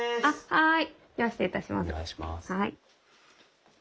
はい。